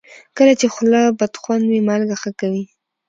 کله چې خوله بدخوند وي، مالګه ښه کوي.